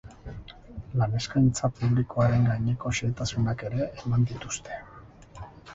Lan eskaintza publikoaren gaineko xehetasunak ere eman dituzte.